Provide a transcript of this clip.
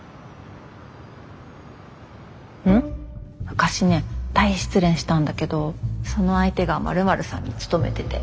昔ね大失恋したんだけどその相手がまるまるさんに勤めてて。